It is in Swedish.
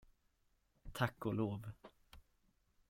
Tack och lov.